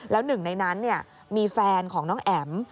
แล้วหนึ่งในนั้นมีแฟนของน้องแอ๋ม